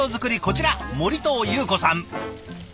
こちら森藤有子さん。